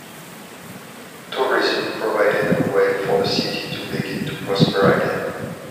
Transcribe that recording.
Tourism provided a way for the city to begin to prosper again.